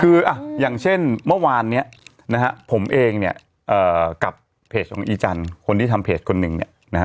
คืออ่ะอย่างเช่นเมื่อวานเนี้ยนะฮะผมเองเนี่ยกับเพจของอีจันทร์คนที่ทำเพจคนหนึ่งเนี่ยนะฮะ